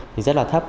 thì rất là thấp